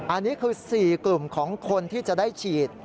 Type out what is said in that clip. อันนี้คือ๔กลุ่มของคนที่จะได้ฉีด